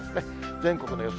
全国の予想